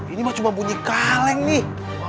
ini mau cuma bunyi kaleng nih